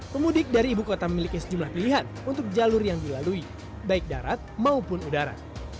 pemudik dari ibu kota memiliki sejumlah pilihan untuk jalur yang dilalui baik darat maupun udara